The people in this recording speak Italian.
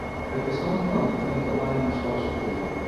Per questo motivo, non frequentò mai una scuola superiore.